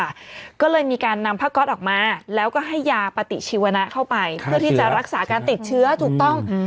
ก็เลยมีการนำผ้าก๊อตออกมาแล้วก็ให้ยาปฏิชีวนะเข้าไปเพื่อที่จะรักษาการติดเชื้อถูกต้องอืม